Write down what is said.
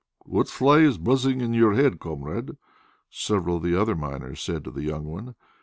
"What fly is buzzing in your head, comrade?" several of the other miners said to the young one.